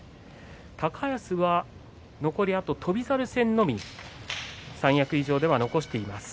高安は残りあと翔猿戦のみ三役以上では残しています。